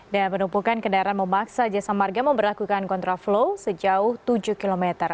dan penumpukan kendaraan memaksa jasa marga memperlakukan kontraflow sejauh tujuh km